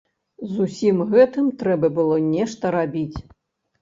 З усім гэтым трэба было нешта рабіць.